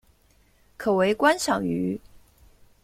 可为观赏鱼。